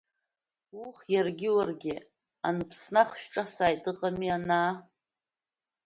Ух, иаргьы уаргьы аныԥснах шәҿасааит, ыҟами, анаа…